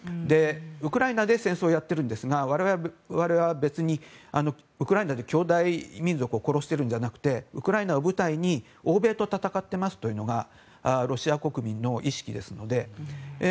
ウクライナで戦争をやっているんですが我々は別にウクライナで兄弟民族を殺してるんじゃなくてウクライナを舞台に欧米と戦っていますというのがロシア国民の意識ですので。